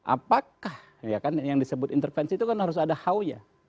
apakah ya kan yang disebut intervensi itu kan harus ada